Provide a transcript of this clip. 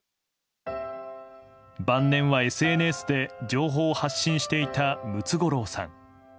晩年は、ＳＮＳで情報を発信していたムツゴロウさん。